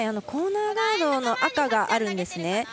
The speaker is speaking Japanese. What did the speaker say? コーナーガードの赤があるんですね。